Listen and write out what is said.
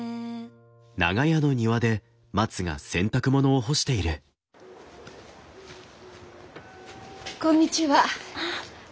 あっこんにちは。